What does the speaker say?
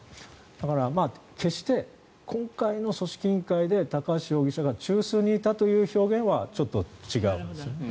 だから、決して今回の組織委員会で高橋容疑者が中枢にいたという表現はちょっと違いますよね。